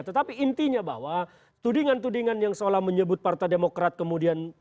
tetapi intinya bahwa tudingan tudingan yang seolah menyebut partai demokrat kemudian